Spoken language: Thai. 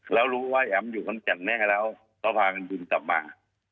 แล้วรู้ว่าแอ๋มอยู่ขอนแก่นแน่แล้วก็พากันบินกลับมา